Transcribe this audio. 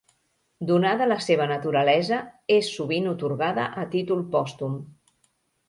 Donada la seva naturalesa, és sovint atorgada a títol pòstum.